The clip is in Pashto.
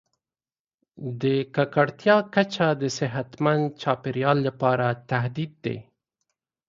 د ککړتیا کچه د صحتمند چاپیریال لپاره تهدید دی.